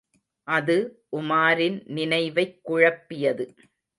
அது, உமாரின் நினைவைக் குழப்பியது.